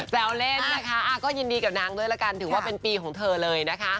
แซวเล่นนะคะก็ยินดีกับนางด้วยละกันถือว่าเป็นปีของเธอเลยนะคะ